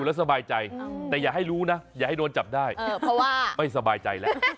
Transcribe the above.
อ้าวน่าจะเข้าน่ะใช่ไหมอืม